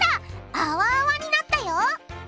あわあわになったよ！